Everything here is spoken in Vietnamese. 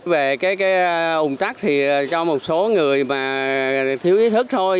về cái ủng tắc thì cho một số người mà thiếu ý thức thôi